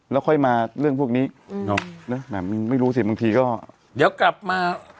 แล้วค่อยมาเรื่องพวกนี้เนาะแหมไม่รู้สิบางทีก็เดี๋ยวกลับมา